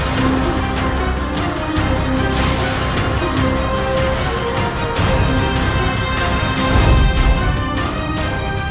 meranting itu bisa melukai ku